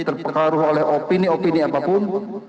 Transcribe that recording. terpengaruh oleh opini opini apapun